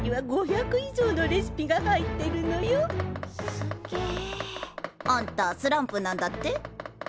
すんげえ。あんたスランプなんだって？